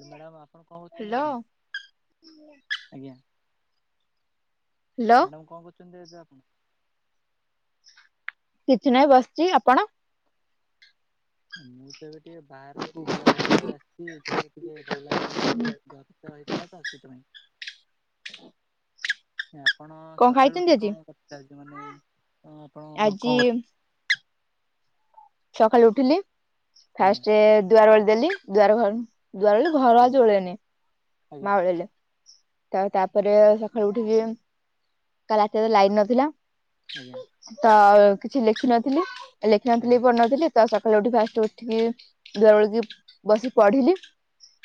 Madam ଆପଣ କଣ କରୁଛନ୍ତି ହ୍ୟାଲୋ। ଏବେ ଆଜ୍ଞା ହ୍ୟାଲୋ ମ୍ୟାଡ଼ାମ କଣ କରୁଛନ୍ତି ଏବେ ଆପଣ? କିଛି ନାହିଁ ବସିଛି ଆପଣ? ମୁ ତ ଏବେ ଟିକେ ବାହାରକୁ ବୁଲାବୁଲି କରିତେ ଆସିଛି ଯହା ଟିକେ ଭଲ ଲାଗିଥିଲା [unintelligible] ହେଇଥିଲା ତ ସେଥିପାଇଁ। ଆପଣ କଣ ସକାଳୁ ଖାଇଛନ୍ତି ଉଠିକି ଆଜି? କଣ କରିଥାନ୍ତି। ମାନେ ଆପଣ ଆଜି କଣ କରି ସକାଳୁ ଉଠିଲି ଆଜ୍ଞା ଫାଷ୍ଟ ଦୁଆର [unintelligible] ଦେଲି ଦୁଆର ଘ ଦୁଆର ଘର ଆଜି ଓଳେଇନି ଆଜ୍ଞା ବାଓଳେଇଲେ। ତ ତାପରେ ସକାଳୁ ଉଠିକି, କାଲି ରାତିରେ ତ ଲାଇନ ନଥିଲା। ଆଜ୍ଞା। ତ କିଛି ଲେଖିନଥିଲି ଲେଖିନଥିଲି ଆଜ୍ଞା ପଢ଼ିନଥିଲି ତ ସକାଳେ ଉଠି ଫାଷ୍ଟ ଉଠିକି ଦଳିକି ବସି ପଢିଲି।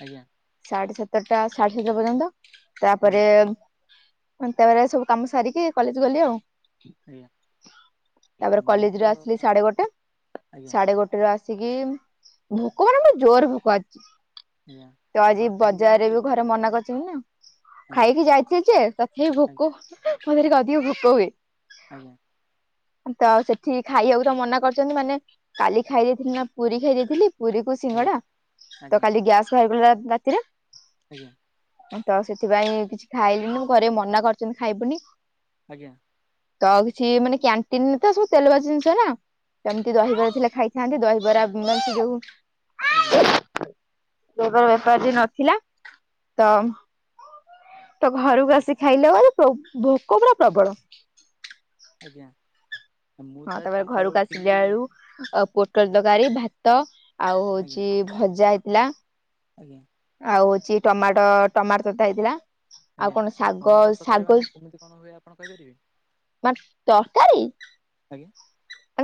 ଆଜ୍ଞା। ସାଢେ ସାତଟା ସାଢେ ସାତଟା ପର୍ଯ୍ୟନ୍ତ। ତାପରେ ଆଜ୍ଞା ତାପରେ ସବୁ କାମ ସାରିକି କଲେଜ ଗଲି ଆଉ। ଆଜ୍ଞା ଆଜ୍ଞା ତାପରେ ମୁଁ କଲେଜ ତ ରୁ ଆସିଲି ସାଢେ ଗୋଟେ। ଆଜ୍ଞା ସାଢେ ଗୋଟେ ରେ ଆସ ଆସିକି ଭୋକ ମାନେ ଗୋଟେ ଜୋର ଭୋକ ଆଜି ଆଜ୍ଞା ଆପଣ ଖାଇ ଜରେ ବି ଘରେ ମନା କରିଛନ୍ତି ନା, ଆଜ୍ଞା ଖାଇକି ଯାଇଥିଲି ଯେ ହେ ଆଜ୍ଞା ଭୋକ ମତେ ଟିକେ ଅଧିକ ଭୋକ ହୁଏ। ଆଜ୍ଞା। ତ ଆଉ ସେଠି ଖାଇବାକୁ ତ ମନା କରିଛନ୍ତି ମାନେ କାଲି ଖାଇ ଦେଇଥିଲି ନା, ପୁରୀ ଖାଇ ଦେଇଥିଲି ପୁରୀ କୁ ଆଜ୍ଞା ସିଙ୍ଗଡା ତ ଆଜ୍ଞା କାଲି ଗ୍ୟାସ୍ ବାହାରିପଡ଼ିଲା ରା ରାତିରେ। ଆଜ୍ଞା। ତ ସେଥିପାଇଁ କିଛି ଖାଇଲିନି, ଘରେ ମନା କରିଛନ୍ତି ଖାଇବୁନି। ଆଜ୍ଞା। ତ କିଛି ମାନେ କ୍ୟାଣ୍ଟିନ ରେ ତ ସବୁ ତେଲଭାଜି ଜିନିଷ ନା। ସେମିତି ଦହିବରା ଥିଲେ ଖାଇଥାନ୍ତି। ଦହିବରା ମାନ ସେ ଯୋଉ ଆଜ୍ଞା। ବେପାର ବାଣ୍ଟ ଆଜି ନଥିଲା ତ ତ ଘରକୁ ଆସି ଖାଇଲା ବେଳେ ଭୋ ଭୋକ ପୂରା ପ୍ରବଳ। ଆଜ୍ଞା ମୁଁ ତ ଆଜି ସକାଳେ ଉଠିକି ଅ ପୋଟଳ ତରକାରୀ ଭାତ ଆଉ ଆଜ୍ଞା ହଉଛି ଭଜା ହେଇଥିଲା। ଆଜ୍ଞା। ଆଉ ହଉଛି ଟମାଟୋ ଟମାଟ ତତା ହେଇଥିଲା। ଆଉ ଆଜ୍ଞା କଣ ଆ ଶାଗ ଟମାଟୋ ଶାଗ ତରକାରୀ ମାନେ କେମିତି କଣ ହୁଏ ଆପଣ କହିପାରିବେ? ମ ତରକାରୀ ଆଜ୍ଞା।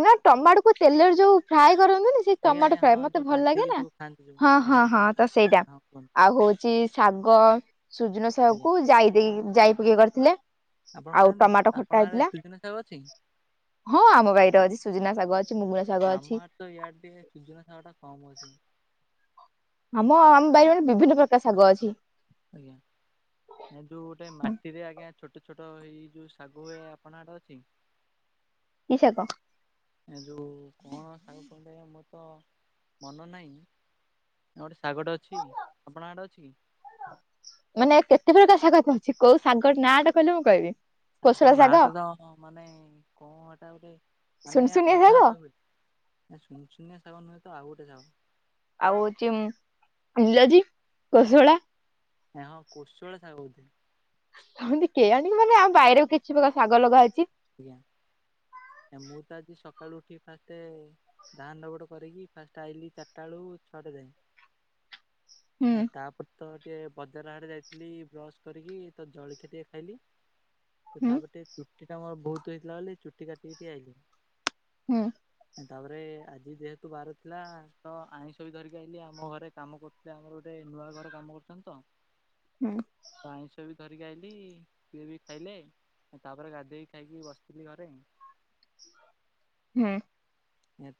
ନା ଟମାଟୋକୁ ତେଲରେ ଯୋଉ ଫ୍ରାଏ କରନ୍ତିନି, ସେଇ ଆଜ୍ଞା ଟମାଟୋ ଆଜ୍ଞା ହଁ ଫ୍ରାଏ ଯୋଉ ମତେ ଭଲ ଲାଗେ ଭାଜିକି ନା। ଯୋଉ ଖାଆନ୍ତି ଯୋଉ ହଁ ଆଜ୍ଞା ହଁ ହଁ ତ ସେଇଟା। ହଁ, କୁହନ୍ତୁ ଆଉ ହଉଛି ଶାଗ, ସୁଜନ ଶାଗ ଆଜ୍ଞା। କୁ ଯାଇ ଦେଇ ଯାଇ ପକେଇ କରିଥିଲେ। ଆପଣ ଆଉ ଖାଆନ୍ତି ଟମାଟୋ ଆପଣ ଖଟା ଆଡେ ହେଇଥିଲା ସୁଜୁନା ଶାଗ ଅଛି? ହଁ ଆମ ବାଇ ଆଜି ସୁଜନା ଶାଗ ଅଛି ମୁଗୁନା ଶାଗ ଆମ ଅଛି। ଆଡେ ତ ୟାଡେ ଟିକେ ସୁଜୁନା ଶାଗଟା କମ ଅଛି। ଆମ ଆମ ବାଇରେ ବିଭିନ୍ନ ପ୍ରକାର ଶାଗ ଅଛି। ଆଜ୍ଞା। ଏ ଯୋଉ ଗୋଟେ ମାଟି ରେ ଆଜ୍ଞା ଛୋଟ ଛୋଟ ଏଇ ଯୋଉ ଶାଗ ହୁଏ ଆପଣ ଆଡେ ଅଛି? କି ଶାଗ? ଏ ଯୋଉ କଣ ଶାଗ ଟା ମୋର ତ ମନ ନାହିଁ। ଆଉ ଗୋଟେ ଶାଗଟେ ଅଛି ଆପଣଙ୍କ ଆଡେ ଅଛି କି? ମାନେ କେତେ ପ୍ରକାର ଶାଗ ତ ଅଛି କୋଉ ସାଗର ନାଁଟା କହିଲେ ମୁଁ କହିବି। ଶାଗ ନାଟା ତ ମାନେ କଣ ହେଟା ଗୋଟେ ମାନେ ସୁନସୁନିଆ ଶାଗ ଅଧା ଅଧା ହୁଏ ଆ ସୁନ ଶୁନିଆ ସାଗ ନୁହେଁ ତ ଆଉ ଗୋଟେ ସାଗ। ଆଉ ହଉଛି ନିଲଜି କୋସଳା। ହଁ କୋଶୋଳା ଶାଗ ବୋଧେ। ସେମିତି କେଏଇଆଣି ମାନେ ଆମ ବାାଇରେ କିଛି ପ୍ରକାର ଶାଗ ଲଗା ହେଇଛି। ଆଜ୍ଞା ମୁଁ ତ ଆଜି ସକାଳୁ ଉଠି ଫାଷ୍ଟେ ଧାନ ଧାପଡ କରିକି ଫାଷ୍ଟ ଆଇଲିି ଚାରିଟା ବେୁଳୁ ଛଅଟା ଯାଏ। [inaudible] ଏଁ ତାପରେ ତ ଟିକେ ବଜାର ଆଡେ ଯାଇଥିଲି ବ୍ରଶ କରିକି ତ ଜଳିଖିଆ ଟିକେ ଖାଇଲି ହୁଁ ତାପଟେ ଚୁଟି ଟା ମୋର ବହୁତ ହେଇଥିଲା ବୋଲି ଚୁଟି ଟା କାଟିିକି ଆଇଲି। ହୁଁ। ତାପରେ ଆଜି ଯେହେତୁ ବାର ଥିଲା ତ ଆଇଁଷ ବି ଧରିକି ଆଇିଲି ଆମ ଘରେ କାମ କରୁ ସେ ଆମର ଗୋଟେ ନୂଆ ଘର କାମ କରୁଛନ୍ତି ତ ହୁଁ। ଆଇଁଷ ବି ଧରିକି ଆଇଲି ସିଏ ବି ଖାଇଲେ ତାପରେ ଗାଧେଇକି ଖାଇକି ବସିଥିଲି ଘରେ। ହୁଁ।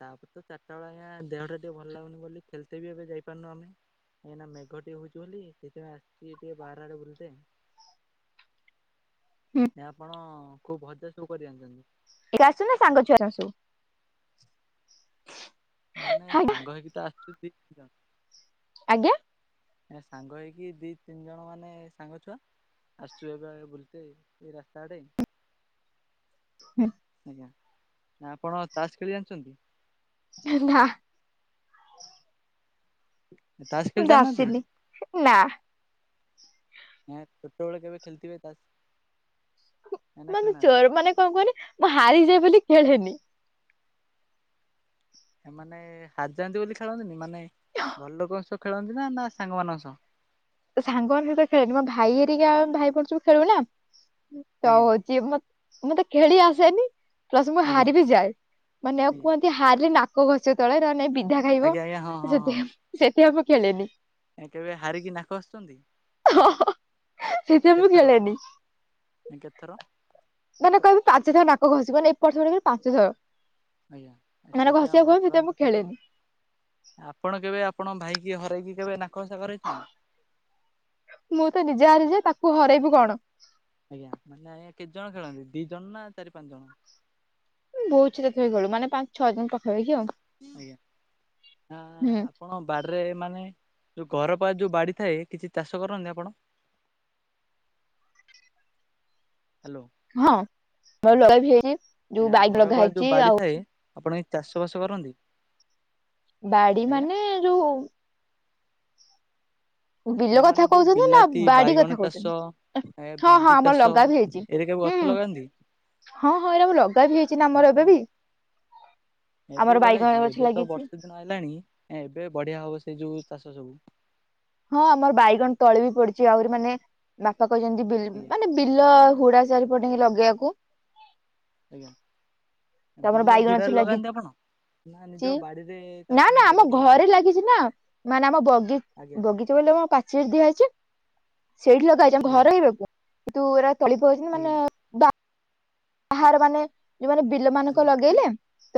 ତାପରେ ତ ଚାରିଟା ବେଳିଆ ଦେହଟା ଟିକେ ଭଲ ଲାଗୁନି ବୋଲି ଖେଳ୍ତେ ବି ଏବେ ଯାଇପାରୁନୁ ଆମେ। ଏାଇଁ ନା ମେଘ ଟିକେ ହଉଛି ବୋଲି ସେଥିପାଇଁ ଆସିଛି ଟିକେ ବାହାର ଆଡେ ବୁଲତେ୍। [inaudible] ଆପଣ କୋଉ ବଜା ସବୁ କରି ଆଣିଛନ୍ତି? ଏକା ଆସିଛୁନା ସାଙ୍ଗ ଛୁଆରା ଆସିଚନ୍ତି? ମାନେ ଆଜ୍ଞା ସାଙ୍ଗ ହେଇକି ତ ଆସୁଛନ୍ତି କିରଣ ଆଜ୍ଞା। ଏ ସାଙ୍ଗ ହେଇକି ଦି ତିନି ଜଣ ମାନେ ସାଙ୍ଗ ଛୁଆ। ଆସୁଚୁ ଏବେ ଆଏ ବୁଲତେ୍ ଏ ରାସ୍ତା ଆଡେ। [inaudible] ଆଜ୍ଞା ନା ଆପଣ ତାସ ଖେଳି ଜାଣିଚକି? ଏ ନା। ତାସ୍ ମୁଁ ଖେଳି ତେ ଜାଣିନାହାନ୍ତି? ଆସିନି ନା। ହେଁ କେତେବେଳେ କେବେ ଖେଳିଥିବେ ତାସ୍? ନା ନା ମାନେ ଖେଳିନାହାନ୍ତି ଚୋର ମାନେ କଣ କୁହନି ମୁଁ ହାରିଯାଏ ବୋଲି ଖେଳେନି। ଏମାନେ ହାରିଯାନ୍ତି୍ ବୋଲି ଖେଳନ୍ତିନି ମାନେ ଘର ଲୋକଙ୍କ ସହ ଖେଳନ୍ତି ନା ନା ସାଙ୍ଗମାନଙ୍କ ସହ? ସାଙ୍ଗ ମାନଙ୍କ ସହିତ ଖେଳେନି ମୋ ଭାଇ ହେରିକା ଭାଇ ଭଉଣୀ ସବୁ ଖେଳୁନା ତ ଆଜ୍ଞା ହଉଛି ମତେ ମୁଁ ତ ଖେଳି ଆସେନି ପ୍ଲସ ମୁଁ ଆଜ୍ଞା। ହାରିିବି ଯାଏ ମାନେ ଆଉ କୁହନ୍ତି ସେ ହାରିଲେ ନାକ ଘସିବ ତଳେ ତା ନାଇଁ ତ ବିଧା ଖାଇବ ଆଜ୍ଞା ଆଜ୍ଞା ହଁ ହଁ ସେଥିପାଇଁ ହଁ ମୁଁ ସେଥିପାଇଁ ମୁଁ ଖେଳେନି। କେବେ ହାରିକି ନାକ ଘସିଛନ୍ତି? ହଁ ହଁ ସେଥିପାଇଁ ମୁଁ ଖେଳେନି। ଏମିତି କେତେ ଥର? ମାନେ କହିବେ ପାଞ୍ଚ ଥର ନାକ ଘସିଵ ନେଇ ମାନେ ଏପଟ ସେପଟ କରି ପାଞ୍ଚ ଥର। ଆଜ୍ଞା ଆ ମାନେ ସେଇଥିପାଇଁ ଘଷିବାକୁ ଆପଣ କହିବେ ସେଥିପାଇଁ ମୁଁ [unintelligible] ଖେଳେନି। ଆପଣ କେବେ ଆପଣ ଭାଇକି ହରେଇକି, କେବେ ନାକ ଘସା କରେଇଛନ୍ତି? ମୁଁ ତ ନିଜେ ହାରିଯାଏ, ତାକୁ ହରେଇବି କଣ। ଆଜ୍ଞା ମାନେ ଆଜ୍ଞା କେତେ ଜଣ ଖେଳନ୍ତି, ଦି ଜଣ ନା ଚାରି ପାଞ୍ଚ ଜଣ? ବୋହୂ ଚୋରି ଖେଳ ଖେଳୁ, ମାନେ ପାଞ୍ଚ ଛଅ ଜଣ ପଖାପାଖି ଆଉ ଆଜ୍ଞା ହୁଁ। ବାଡ଼ିରେ ମାନେ ଯୋଉ ଘର ପାଖେ ଯୋଉ ବାଡ଼ି ଥାଏ, କିଛି ଚାଷ କରନ୍ତି ଆପଣ? ହ୍ୟାଲୋ ହଁ ମୋର ଲଗା ବି ହେଇଛି ଯୋଉ ଆ ବାଇକ ଘର ଲଗା ପାଖେ ହେଇଛି ଯୋଉ ବାଡି ଆଉ ଥାଏ ଆପଣ କିଛି ଚାଷବାସ କରନ୍ତି? ବାଡି ଆଜ୍ଞା ମାନେ ଯୋଉ ବିଲ ଏ ମାନେ କଥା ଯୋଉ କହୁଛନ୍ତି ନା ବିଲାତି, ବାଡି କଥା ବାଇଗଣ କହୁଛନ୍ତି? ଚାଷ, ଏ ହଁ ହଁ ଭେଣ୍ଡି ଆମର ଚାଷ ଲଗା ବି ହେଇଛି। ଏ ସବୁ ହୁଁ ଗଛ ଲଗାନ୍ତି? ହଁ- ହଁ ଏଇରା ବି ଲଗା ବି ହେଇଛି ନା ଆମର ଏବେ ବି। ଏବେ ବି ଆମର ଲଗା ବାଇଗଣ ହେଇଚି, ଗଛ ଏବେ ତ ଲାଗିଛି। ବର୍ଷେ ଦିନ ଆଇଲାଣି, ଏବେ ବଢିଆ ହବ ସେ ଯୋଉ ଚାଷ ସବୁ। ହଁ ଆମର ବାଇଗଣ ତଳେ ବି ପଡିଛି ଆହୁରି ମାନେ, ବାପା କହିଛନ୍ତିି ବିଲ୍ ଆଜ୍ଞା ମାନେ ବିଲ ହୁଡା ଚାରିପଟେ ହିଁ ଲଗେଇଆକୁ। ଆଜ୍ଞା। ତ ଆମର ବିଲ ବାଇଗଣ ଗଛ ହୁଡାରେ ଲାଗି ଲଗାନ୍ତି ଆପଣ? ନା ନିଜ ଚି ବାଡିରେ ଚାଷ ନା- ନା ନିଜେ ଆମ କରି ଲଗାନ୍ତି ଘରେ ଲାଗିଛି ନା, ମାନେ ଆମ ବଗି ଆଜ୍ଞା ବଗିଚା ବୋଇଲେ ପାଚିରି ଦିଆହେଇଛି, ସେଇଠି ଲଗା ହେଇଛି ଆମ ଆଜ୍ଞା ଘର [unintelligible] କିନ୍ତୁ ଏରା ତଳି ପକେଇଛନ୍ତି ମାନେ ଆଜ୍ଞା ବାହାର ମାନେ ଯୋଉ ମାନେ ବିଲ ମାନଙ୍କ ଆଜ୍ଞା ଲଗେଇଲେ,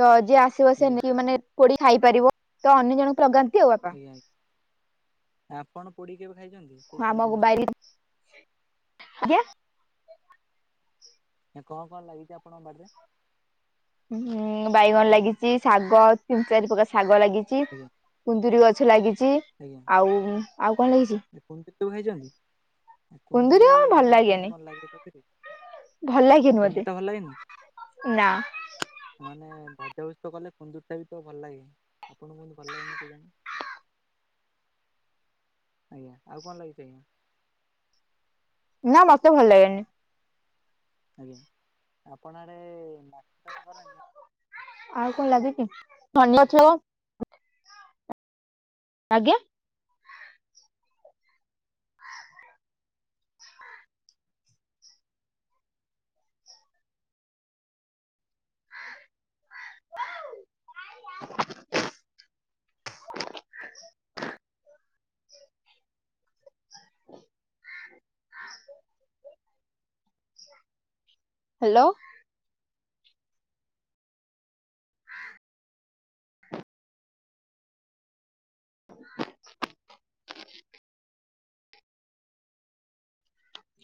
ତ ଯିଏ ଆସିବ ସେ ଆଜ୍ଞା ଆଜ୍ଞା ନେଇ ମାନେ ପୋଡ଼ି ଖାଇପାରିବ, ତ ଅନ୍ୟ ଜଣଙ୍କୁ ଲଗାନ୍ତି ଆଉ। ବାପା ଆଜ୍ଞା ଆପଣ ପୋଡି କି କେବେ ଖାଇଛନ୍ତି, ସେ ଆମ ସବୁ ଜିନିଷ? ବାରି ଆଜ୍ଞା। ଏ କଣ କଣ ଲାଗିଛି ଆପଣଙ୍କ ବାଡିରେ? ଉଁ ବାଇଗଣ ଲାଗିଛି, ଶାଗ ଆଉ ତିନି ଚାରି ପ୍ରକାର ଶାଗ ଲାଗିଛି। ଆଜ୍ଞା କୁନ୍ଦୁରି ଗଛ ଲାଗିଚି, ଆଜ୍ଞା ଆଉ ଆଉ କଣ ଲାଗିଚି ଏ କୁନ୍ଦୁରି କେବେ ଖାଇଛନ୍ତି, କୁନ୍ଦୁରି ଆଉ ଭଲ ମାନେ ଲାଗେନି କେମିତି କଣ ଲାଗେ କହି ପାରିବେ? ଭଲ ଲାଗେନି ମତେ ନା। ମାନେ ଭଜାଭଜି ତ କଲେ କୁନ୍ଦୁରିଟା ବି ତ ଭଲ ଲାଗେ, ଆପଣଙ୍କୁୁ କେମିତି ଭଲ ଲାଗେନି କେଜାଣି? ଆଜ୍ଞ ଆଉ କଣ ଲାଗଛି ଆଜ୍ଞା? ନା ମତେ ଭଲ ଲାଗେନି। ଆଜ୍ଞା ଆପଣ ଆଡ଼େ [unintelligible] ଆଉ କଣ ଲାଗିଚି? [unintelligible] ଆଜ୍ଞା। ଆ ହାଲୋ।